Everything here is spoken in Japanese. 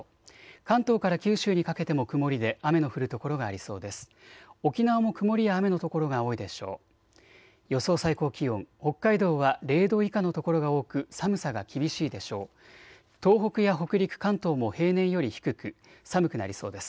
関東から九州にかけても曇りで雨の降る所がありそうです。